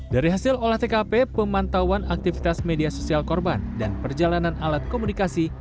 dari hasil olah tkp pemantauan aktivitas media sosial korban dan perjalanan alat komunikasi